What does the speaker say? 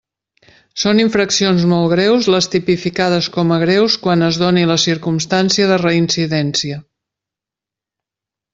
Són infraccions molt greus les tipificades com a greus quan es doni la circumstància de reincidència.